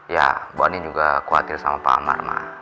ya bu andin juga khawatir sama pak amar ma